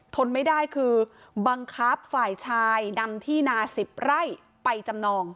ทนไม่ได้คือบังคับฝ่ายชายนำที่นา๑๐ไร่ไปจำนอง